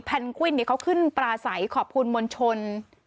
แนนกวินเขาขึ้นปลาใสขอบคุณมวลชน